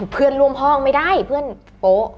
เพื่อนร่วมห้องไม่ได้เพื่อนโป๊ะ